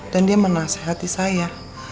dan dia menasehati saya